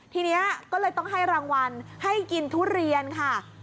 ทีนี้ก็เลยต้องให้รางวัลให้กินทุเรียนค่ะ